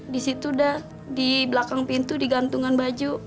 disitu dah di belakang pintu digantungan baju